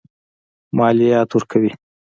مالیات ورکوي.